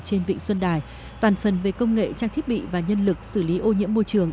trên vịnh xuân đài bàn phần về công nghệ trang thiết bị và nhân lực xử lý ô nhiễm môi trường